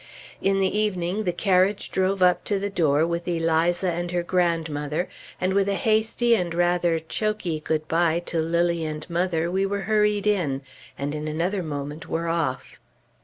In the evening the carriage drove up to the door with Eliza and her grandmother, and with a hasty and rather choky good bye to Lilly and mother, we were hurried in, and in another moment were off.